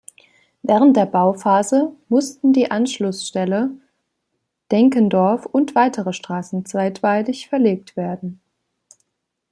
Während der Bauphase mussten die Anschlussstelle "Denkendorf" und weitere Straßen zeitweilig verlegt werden.